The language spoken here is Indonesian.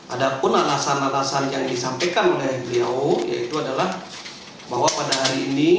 ada pun alasan alasan yang disampaikan oleh beliau yaitu adalah bahwa pada hari ini